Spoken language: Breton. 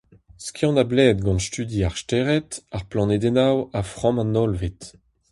Skiant a bled gant studi ar stered, ar planedennoù ha framm an hollved.